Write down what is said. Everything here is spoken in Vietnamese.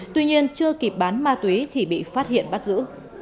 tuy nhiên chưa kịp bán ma túy thì bị phát hiện bắt giữ